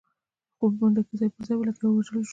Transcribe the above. خو په منډه کې ځای پر ځای ولګېد او ووژل شو.